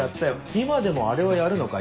今でもあれはやるのかい？